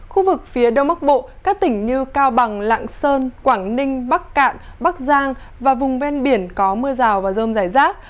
khu vực phía đông bắc bộ các tỉnh như cao bằng lạng sơn quảng ninh bắc cạn bắc giang và vùng ven biển có mưa rào và rông rải rác